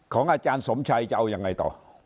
อาจารย์สมชัยจะเอายังไงต่อ